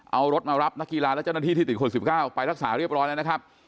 เอารถมารับนักกีฬาและเจ้าหน้าที่ที่ติดคน๑๙ไปรักษาเรียบร้อยแล้วนะครับ